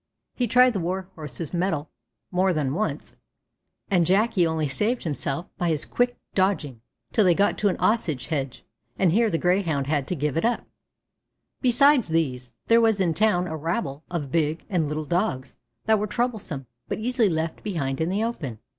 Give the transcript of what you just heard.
He tried the Warhorse's mettle more than once, and Jacky only saved himself by his quick dodging, till they got to an Osage hedge, and here the Greyhound had to give it up. Besides these, there was in town a rabble of big and little Dogs that were troublesome, but easily left behind in the open.